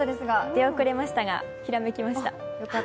出遅れましたが、ひらめきました。